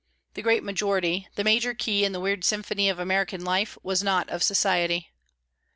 The great majority, the major key in the weird symphony of American life, was not of society.